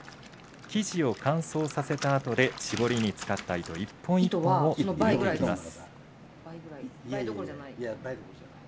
生地を乾燥させたあとで絞りに使った糸を一本一本抜いていきます。